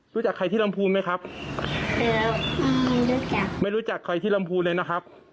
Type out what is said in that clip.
รู้จักใครที่ลำพูนไหมครับไม่รู้จักไม่รู้จักใครที่ลำพูนเลยนะครับ